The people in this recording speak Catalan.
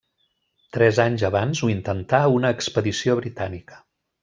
Tres anys abans ho intentà una expedició britànica.